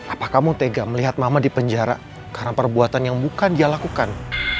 apa kamu tega melihat mama di penjara karena perbuatan yang bukan dia lakukan